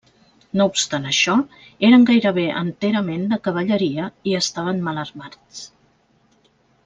No obstant això, eren gairebé enterament de cavalleria i estaven mal armats.